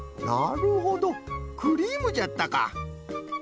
なるほどクリームじゃったか。